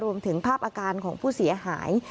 รวมถึงภาพอาการของผู้เสียหาย